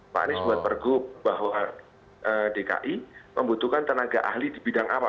pak arief buat per gub bahwa dki membutuhkan tenaga ahli di bidang apa